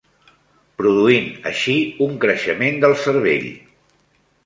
Produint així un creixement del cervell.